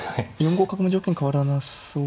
４五角の条件変わらなそうですよね。